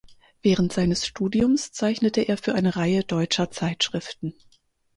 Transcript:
Während seines Studiums zeichnete er für eine Reihe deutscher Zeitschriften.